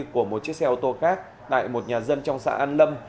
của một chiếc xe ô tô khác tại một nhà dân trong xã an lâm